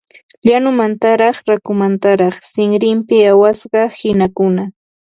Llañumantaraq rakukamantaraq sinrinpi awasqa qinakuna